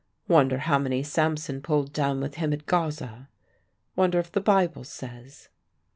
Wonder how many Samson pulled down with him at Gaza? Wonder if the Bible says?